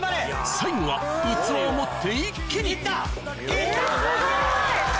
最後は器を持って一気に行った！